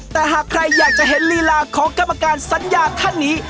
แต่หากใครอยากจะเห็นลีลาของกรรมการสัญญาท่านนี้